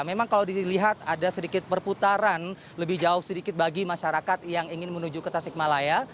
memang kalau dilihat ada sedikit perputaran lebih jauh sedikit bagi masyarakat yang ingin menuju ke tasikmalaya